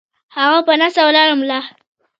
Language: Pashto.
هغه پۀ ناسته ولاړه ملا